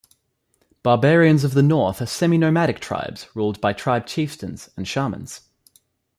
Barbarians of the North are semi-nomadic tribes ruled by tribe chieftains and shamans.